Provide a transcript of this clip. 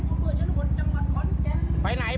ตัวเบื่อฉันบนจังหวัดขอนแก่น